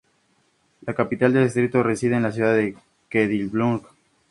La capital del distrito reside en la ciudad de Quedlinburg.